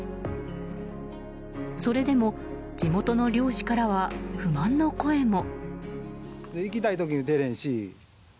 それでも地元の漁師からは不満の声も。